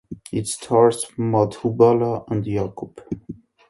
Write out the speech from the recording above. It stars Madhubala and Yakub.